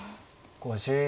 ５０秒。